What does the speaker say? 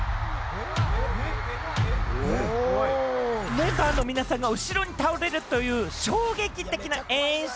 メンバーの皆さんが後ろに倒れるという衝撃的な演出。